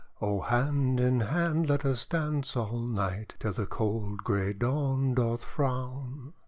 Oh! hand in hand let us dance all night, Till the cold grey Dawn doth frown!''